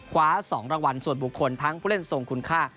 คว้า๒รางวัลส่วนบุคคลทั้งผู้เล่นทรงคุณค่า